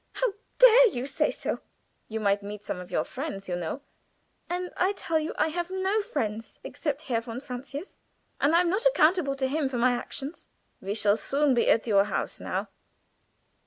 How dare you say so?" "You might meet some of your friends, you know." "And I tell you I have no friends except Herr von Francius, and I am not accountable to him for my actions." "We shall soon be at your house now."